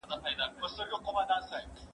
په يو تن كي سل سرونه سل غليمه